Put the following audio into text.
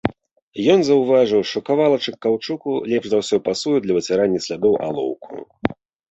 Ён заўважыў, што кавалачак каўчуку лепш за ўсё пасуе да выцірання слядоў алоўку.